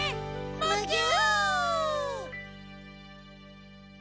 むぎゅ！